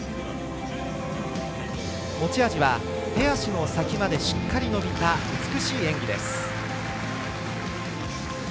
持ち味は手足の先までしっかり伸びた美しい演技です。